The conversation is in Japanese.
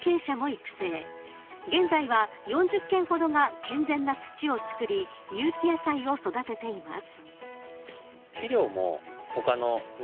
［現在は４０軒ほどが健全な土を作り有機野菜を育てています］